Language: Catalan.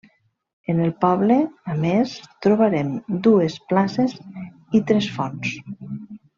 En el poble, a més, trobarem dues places i tres fonts.